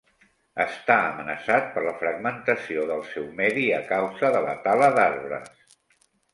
Està amenaçat per la fragmentació del seu medi a causa de la tala d'arbres.